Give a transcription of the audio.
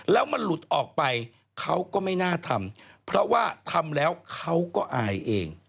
แล้วมันหลุดออกไปเขาก็ไม่น่าทำเพราะว่าทำแล้วเขาก็อายเอง